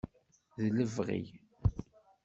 D lebɣi.